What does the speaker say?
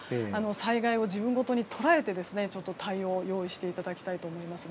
災害を自分事に捉えて対応を用意していただきたいと思います。